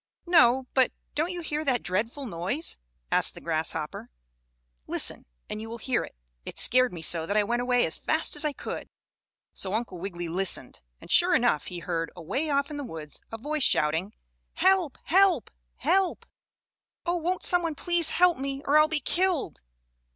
"No, but don't you hear that dreadful noise?" asked the grasshopper. "Listen, and you will hear it. It scared me so that I went away as fast as I could." So Uncle Wiggily listened, and sure enough he heard, away off in the woods, a voice shouting: "Help! Help! Help! Oh, won't some one please help me, or I'll be killed!"